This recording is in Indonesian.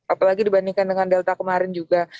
apalagi dibandingkan dengan delta kemarin juga